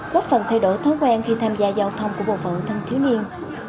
góp phần thay đổi thói quen khi tham gia giao thông của bộ phận thanh thiếu niên